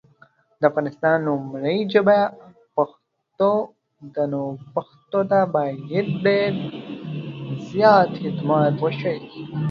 د افغانستان لومړی ژبه پښتو ده نو پښتو ته باید دیر زیات خدمات وشي